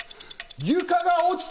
床が落ちた！